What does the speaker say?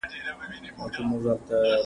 زه اوږده وخت درسونه لوستل کوم!!